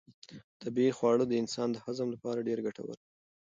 طبیعي خواړه د انسان د هضم لپاره ډېر ګټور دي.